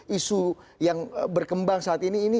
isu yang berkembang saat ini